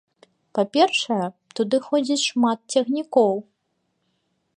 Па-першае, туды ходзіць шмат цягнікоў.